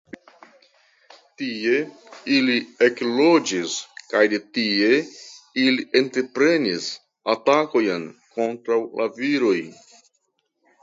Tie ili ekloĝis kaj de tie ili entreprenis atakoj kontraŭ la viroj.